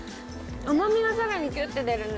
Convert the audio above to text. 甘みがさらにギュって出るね